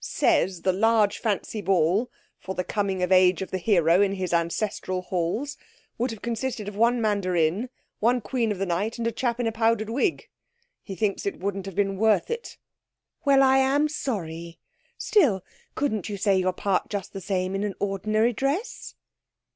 Says the large fancy ball for the coming of age of the hero in his ancestral halls would have consisted of one mandarin, one Queen of the Night, and a chap in a powdered wig. He thinks it wouldn't have been worth it.' 'Well, I am sorry! Still, couldn't you say your part just the same in an ordinary dress?'